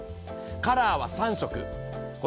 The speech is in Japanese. カラーは３色。